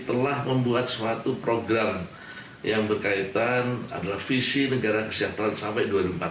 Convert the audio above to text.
telah membuat suatu program yang berkaitan adalah visi negara kesejahteraan sampai dua ribu empat puluh lima